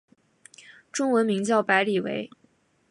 中文名叫白理惟。